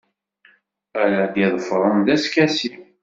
Ara d-iḍefren d askasi.